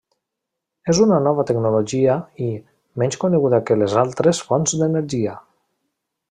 És una nova tecnologia i menys coneguda que les altres fonts d'energia.